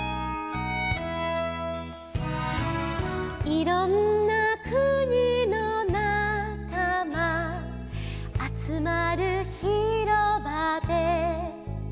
「いろんな国のなかま」「あつまる広場で」